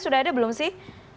sudah ada belum sih